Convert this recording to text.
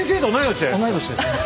同い年ですね。